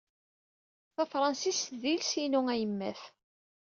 Tafṛensist d iles-inu ayemmat.